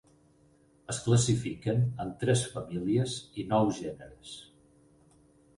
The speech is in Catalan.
Es classifiquen en tres famílies i nou gèneres.